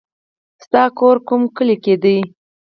ستا کور کوم کلي کې دی